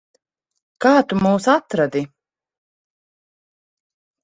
Kā tu mūs atradi?